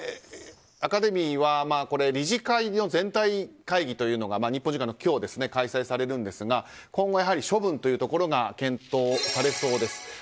アカデミーは理事会の全体会議が日本時間の今日開催されるんですが今後、やはり処分というところが検討されそうです。